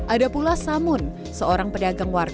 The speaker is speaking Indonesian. ada pula samun seorang pedagang warteg